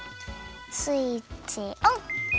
スイッチオン！